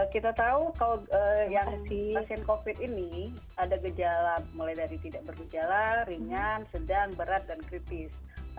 kita tahu kalau yang si pasien covid ini ada gejala mulai dari tidak bergejala ringan sedang berat dan kritis